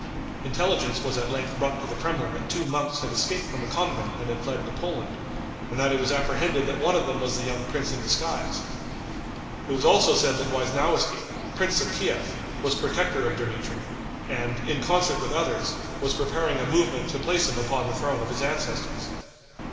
Intelligence was at length brought to the Kremlin that two monks had escaped from a convent and had fled to Poland, and that it was apprehended that one of them was the young prince in disguise; it was also said that Weisnowiski, prince of Kief, was protector of Dmitri, and, in concert with others, was preparing a movement to place him upon the throne of his ancestors.